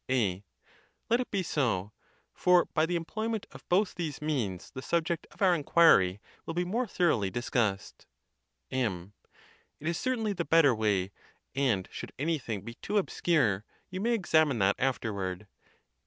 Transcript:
A, Let it be so; for by the employment of both these means the subject of our inquiry will be more thoroughly discussed, MM. It is certainly the better way; and should anything be too obscure, you may examine that afterward.